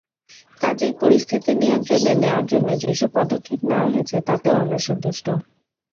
কাজেই পরিস্থিতি নিয়ন্ত্রণে নেওয়ার জন্য যেসব পদক্ষেপ নেওয়া হয়েছে, তাতেও আমরা সন্তুষ্ট।